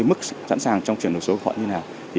mức sẵn sàng trong chuyển đổi số của họ như thế nào